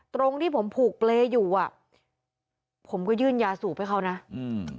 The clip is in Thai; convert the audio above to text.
ตรงที่ผมผูกเปรย์อยู่อ่ะผมก็ยื่นยาสูบให้เขานะอืม